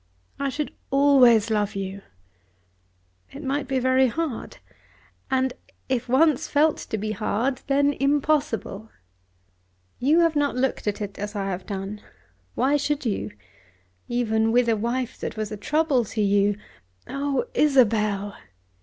"I should always love you." "It might be very hard: and if once felt to be hard, then impossible. You have not looked at it as I have done. Why should you? Even with a wife that was a trouble to you " "Oh, Isabel!"